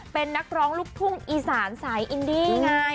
เป็นนักร้องลูกทุ่งอีสานสายอินดี้ไง